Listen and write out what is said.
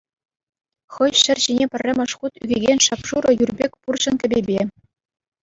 Хӑй ҫӗр ҫине пӗрремӗш хут ӳкекен шап-шурӑ юр пек пурҫӑн кӗпепе.